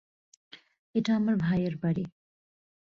এটা আমার ভাইয়ের বাড়ি।